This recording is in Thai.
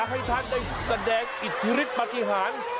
ให้ท่านได้แสดงอิทธิฤทธิปฏิหาร